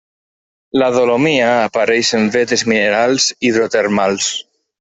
La dolomia apareix en vetes minerals hidrotermals.